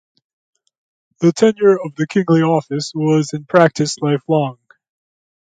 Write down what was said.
The tenure of the kingly office was in practice lifelong.